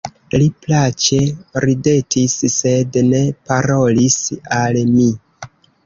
Li plaĉe ridetis, sed ne parolis al mi.